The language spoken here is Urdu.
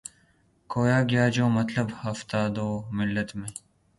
کھویا گیا جو مطلب ہفتاد و دو ملت میں